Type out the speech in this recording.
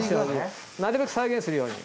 なるべく再現するように。